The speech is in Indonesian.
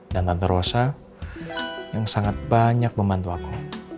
tante rosa yang sangat banyak membantu aku